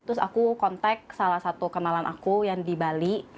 terus aku kontak salah satu kenalan aku yang di bali